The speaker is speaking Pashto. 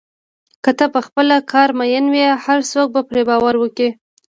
که ته په خپل کار مین وې، هر څوک به پرې باور وکړي.